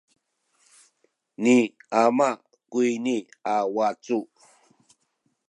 ni ama kuyni a wacu.